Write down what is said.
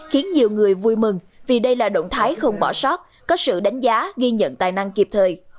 khiến nhiều người vui mừng vì đây là động thái không bỏ sót có sự đánh giá ghi nhận tài năng kịp thời